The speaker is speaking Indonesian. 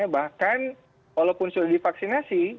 bahkan walaupun sudah divaksinasi